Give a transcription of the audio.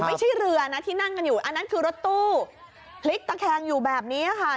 ไม่ใช่เรือนะที่นั่งกันอยู่อันนั้นคือรถตู้พลิกตะแคงอยู่แบบนี้ค่ะ